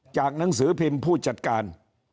หนังสือพิมพ์ผู้จัดการ